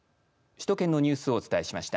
首都圏のニュースをお伝えしました。